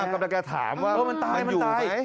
ตามกับรักษาถามว่ามันอยู่ไหม